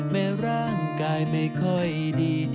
แม้ร่างกายไม่ค่อยดี